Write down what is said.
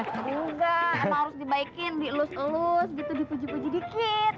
tapi enggak emang harus dibaikin dielus elus gitu dipuji puji dikit